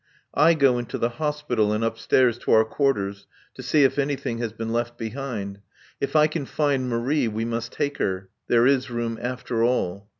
I go into the Hospital and upstairs to our quarters to see if anything has been left behind. If I can find Marie we must take her. There is room, after all.